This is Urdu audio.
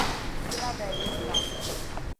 جتنا بیروت کا۔